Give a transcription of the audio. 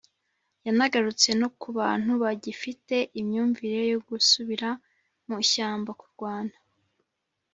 Yanagarutse no kubantu bagifite imyumvire yo gusubira mu ishyamba kurwana